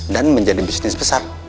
dan menjadi bisnis besar